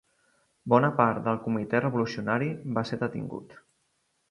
Bona part del Comitè revolucionari va ser detingut.